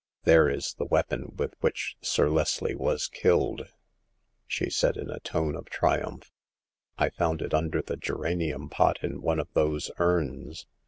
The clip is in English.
'* There is the weapon with which Sir Leslie was killed !*' she said, in a tone of triumph. " I found it under the geranium pot in one of those urns.